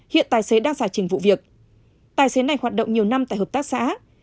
hiện tài xế đang giải trình vụ việc tài xế này hoạt động nhiều năm tại hợp tác xã